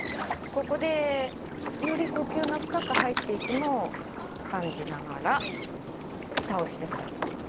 ここでより呼吸が深く入っていくのを感じながら倒してください。